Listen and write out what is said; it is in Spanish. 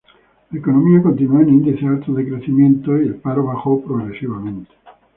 La economía continuó en índices altos de crecimiento y el paro bajó progresivamente.